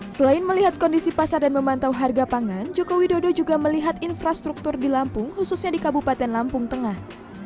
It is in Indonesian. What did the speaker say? selain melihat kondisi pasar dan memantau harga pangan jokowi dodo juga melihat infrastruktur di lampung khususnya di kabupaten lampung tengah